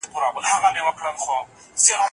د دغي کوڅې په سر کي یو سړی خپلو ارمانونو ته ورسېدی.